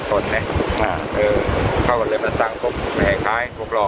บ้าใจว่า